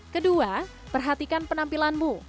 kedua perhatikan penampilanmu